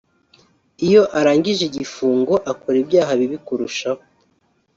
iyo arangije igifungo akora ibyaha bibi kurushaho